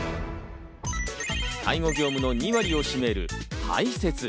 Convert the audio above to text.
介護業務の２割を占める排せつ。